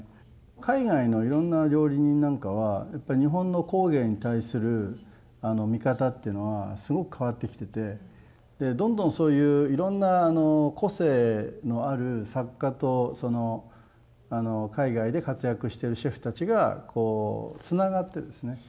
海外のいろんな料理人なんかはやっぱり日本の工芸に対する見方っていうのはすごく変わってきててでどんどんそういういろんな個性のある作家と海外で活躍してるシェフたちがつながってですね